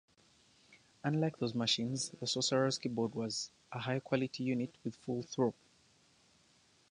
Unlike those machines, the Sorcerer's keyboard was a high quality unit with full "throw".